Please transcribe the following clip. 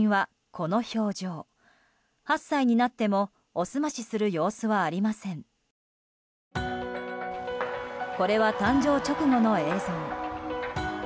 これは、誕生直後の映像。